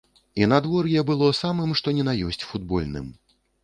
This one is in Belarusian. І надвор'е было самым што ні на ёсць футбольным.